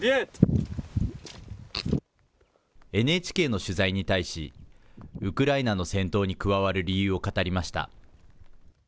ＮＨＫの取材に対し、ウクライナの戦闘に加わる理由を語りました。